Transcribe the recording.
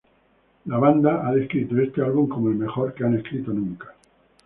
La banda ha descrito este álbum como el mejor que han escrito nunca.